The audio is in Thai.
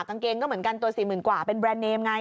กางเกงก็เหมือนกันตัว๔๐๐๐กว่าเป็นแรนดเนมไง